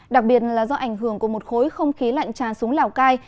đặc biệt là do ảnh hưởng của một khối không khí lạnh tràn xuống lào cai